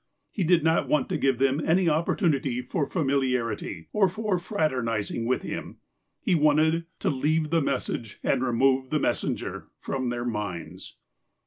He did uot want to give them any opportunity for familiarity, or for fraternizing with him. He wanted '' to leave the message, and remove the mes senger" from their minds.